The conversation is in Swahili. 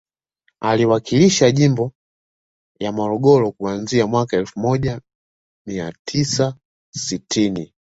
Aliwakilisha jimbo ya Morogoro kuanzia mwaka elfu moja mia tisa sitini